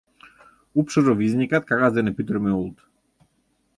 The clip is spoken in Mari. Упшыжо визынекат кагаз дене пӱтырымӧ улыт.